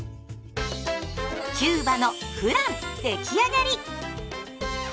キューバのフラン出来上がり！